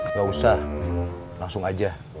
nggak usah langsung aja